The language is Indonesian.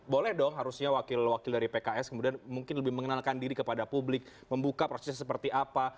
boleh dong harusnya wakil wakil dari pks kemudian mungkin lebih mengenalkan diri kepada publik membuka prosesnya seperti apa